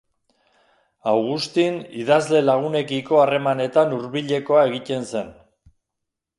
Augustin, idazle lagunekiko harremanetan hurbilekoa egiten zen.